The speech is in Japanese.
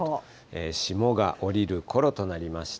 霜が降りるころとなりました。